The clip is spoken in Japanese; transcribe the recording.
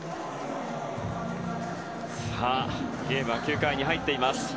ゲームは９回に入っています。